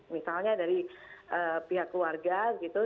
misalnya dari pihak keluarga gitu